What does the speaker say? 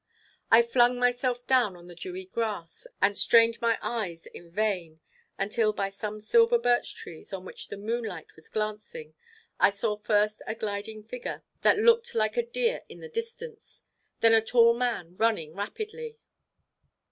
I flung myself down on the dewy grass, and strained my eyes in vain; until by some silver birch trees on which the moonlight was glancing, I saw first a gliding figure that looked like a deer in the distance, then a tall man running rapidly.